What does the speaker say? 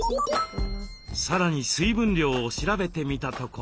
さらに水分量を調べてみたところ。